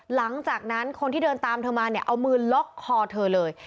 หลังจากนั้นคนที่เดินตามเธอมาเนี่ยเอามือล็อกคอเธอเลย